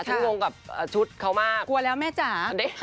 งงกับชุดเขามากกลัวแล้วแม่จ๋า